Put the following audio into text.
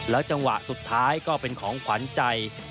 จังหวะสุดท้ายก็เป็นของขวัญใจ